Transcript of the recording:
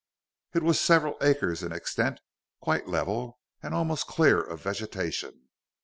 It was several acres in extent, quite level, and almost clear of vegetation.